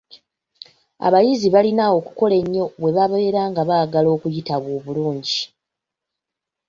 Abayizi balina okukola ennyo bwe babeera nga baagala okuyita obulungi.